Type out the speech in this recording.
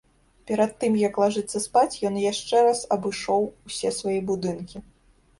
Перад тым як лажыцца спаць, ён яшчэ раз абышоў усе свае будынкі.